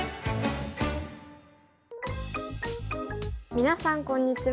皆さんこんにちは。